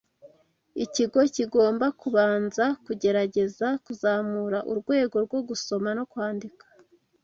Ikigo kigomba kubanza kugerageza kuzamura urwego rwo gusoma no kwandika